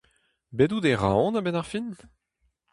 Bet out e Roazhon a-benn ar fin ?